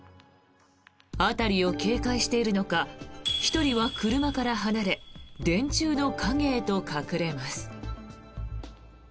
辺りを警戒しているのか１人は車から離れ電柱の陰へと隠れます。